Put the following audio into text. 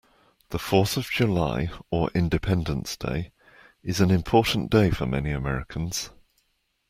The fourth of July, or Independence Day, is an important day for many Americans.